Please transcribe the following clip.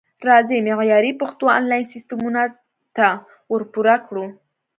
راځئ معیاري پښتو انلاین سیستمونو ته ورپوره کړو